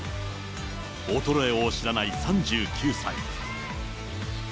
衰えを知らない３９歳。